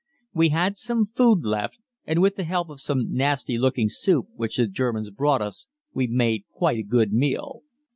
We had some food left, and with the help of some nasty looking soup which the Germans brought us we made quite a good meal.